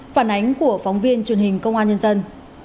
phản ánh của phóng viên truyền hình công an nhân dân